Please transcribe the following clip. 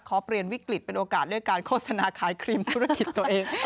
เปลี่ยนวิกฤตเป็นโอกาสเรียกการโฆษณาขายครีมธุรกิจตัวเอง